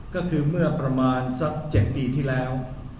ก็คือเมื่อประมาณสัก๗ปีที่แล้ว